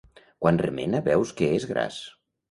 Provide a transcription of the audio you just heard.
Quan remena veus que és gras.